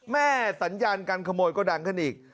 สัญญาการขโมยก็ดังขึ้นอีก